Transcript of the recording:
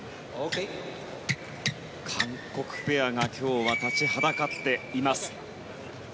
韓国ペアが今日は立ちはだかっています。